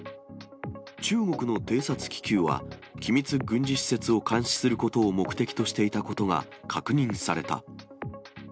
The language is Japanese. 中国の偵察気球は、機密軍事施設を監視することを目的としていたことが、確認された。